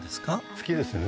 好きですよね